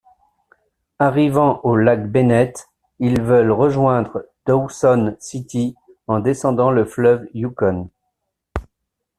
Arrivant au Lac Bennett, ils veulent rejoindre Dawson City en descendant le fleuve Yukon.